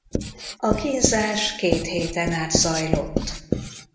A kínzás két héten át zajlott.